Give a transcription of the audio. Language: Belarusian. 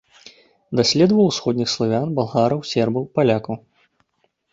Даследаваў усходніх славян, балгараў, сербаў, палякаў.